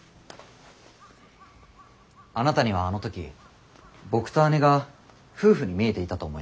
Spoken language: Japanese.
あなたにはあの時僕と姉が夫婦に見えていたと思います。